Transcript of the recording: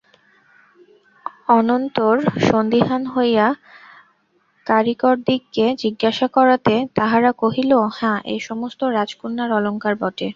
অনন্তর সন্দিহান হইয়া কারিকরদিগকে জিজ্ঞাসা করাতে তাহারা কহিল হাঁ এ সমস্ত রাজকন্যার অলঙ্কার বটে।